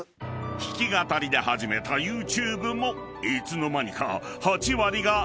［弾き語りで始めたＹｏｕＴｕｂｅもいつの間にか］